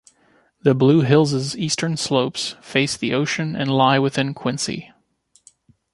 The Blue Hills' eastern slopes face the ocean and lie within Quincy.